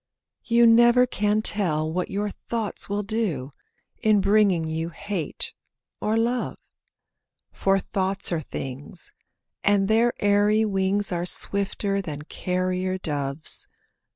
You never can tell what your thoughts will do, In bringing you hate or love; For thoughts are things, and their airy wings Are swifter than carrier doves.